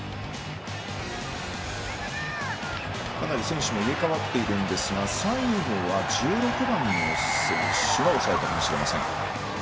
かなり選手も入れ代わっているんですが最後は、１６番の選手がおさえた形かもしれません。